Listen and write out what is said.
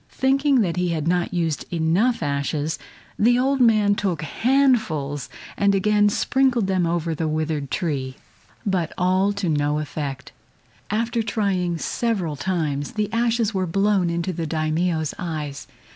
Thinking that he had not used enough ashes, the old man took handfuls and again sprinkled them over the withered tree. But all to no effect. After trying several times, the ashes were blown into the Daimio's eyes.